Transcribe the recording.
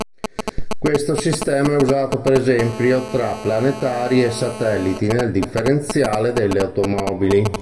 Questo sistema è usato per esempio tra "planetari" e "satelliti" nel differenziale delle automobili.